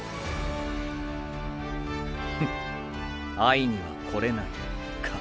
フ会いには来れないか。